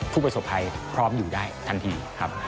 ผู้ประสบภัยพร้อมอยู่ได้ทันทีครับ